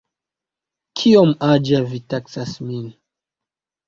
Kiom aĝa vi taksas min?